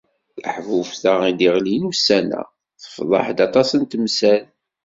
Taḥbubt-a i d-iɣlin ussan-a tefḍeḥ-d aṭas n temsal.